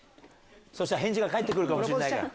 そしたら返事が返ってくるかもしんないから。